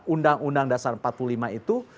undang undang dasar empat puluh lima itu